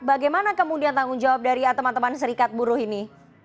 bagaimana kemudian tanggung jawab dari teman teman serikat buruh ini